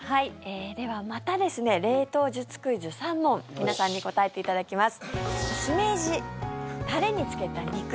では、また冷凍術クイズ３問皆さんに答えていただきます。